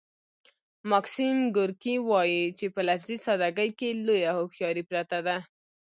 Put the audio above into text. ماکسیم ګورکي وايي چې په لفظي ساده ګۍ کې لویه هوښیاري پرته ده